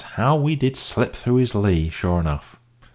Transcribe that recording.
how we did slip through his lee, sure enough!